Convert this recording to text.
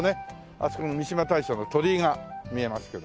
あそこに三嶋大社の鳥居が見えますけど。